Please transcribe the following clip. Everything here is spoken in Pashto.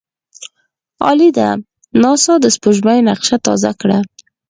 عالي ده! ناسا د سپوږمۍ نقشه تازه کړه.